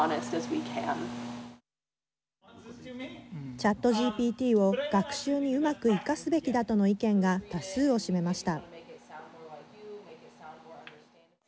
ＣｈａｔＧＰＴを学習にうまく生かすべきだとの意見が多数を占めました。